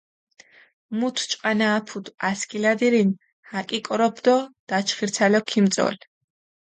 მუთ ჭყანა აფუდჷ ასქილადირინ, აკიკოროფჷ დო დაჩხირცალო ქიმწოლჷ.